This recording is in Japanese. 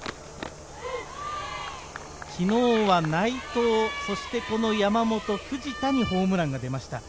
昨日は内藤、山本、藤田にホームランが出ました。